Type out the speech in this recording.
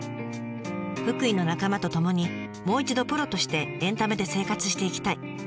「福井の仲間とともにもう一度プロとしてエンタメで生活していきたい」。